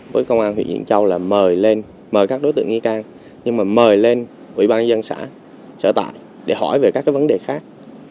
với công an huyện diễn châu là mời lên mời các đối tượng nghi can nhưng mà mời lên ủy ban dân xã sở tại để hỏi về các vấn đề khác